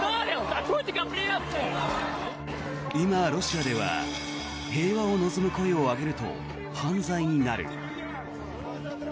今、ロシアでは平和を望む声を上げると犯罪になる。